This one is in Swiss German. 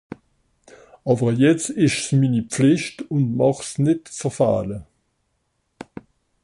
Àwwer jetzt ìsch's mini Pflìcht ùn mächt's nìtt verfähle.